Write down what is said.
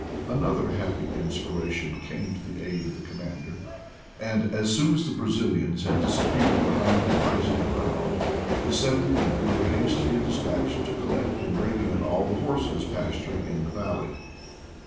Another happy inspiration came to the aid of the commander, and as soon as the Brazilians had disappeared behind the ris ing ground, his seventy men were hastily dis patched to collect and bring in all the horses pas turing in the valley.